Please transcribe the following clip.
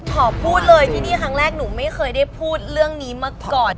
ขอพูดเลยที่นี่ครั้งแรกหนูไม่เคยได้พูดเรื่องนี้มาก่อน